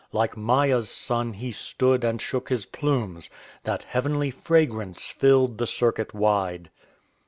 Like Maia's son he stood And shook his plumes, that Heavenly fragrance filled The circuit wide."